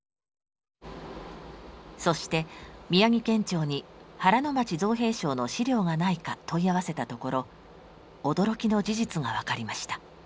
そして宮城県庁に原町造兵廠の資料がないか問い合わせたところ驚きの事実が分かりました。